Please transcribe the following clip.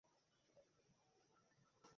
এই তাফসীরে আমরা তার প্রতিটির উপর আলোকপাত করেছি।